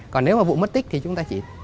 còn nếu mà vụ mất tích thì chúng ta chỉ